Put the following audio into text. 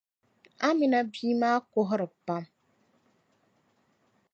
Amina bia maa kuhiri pam.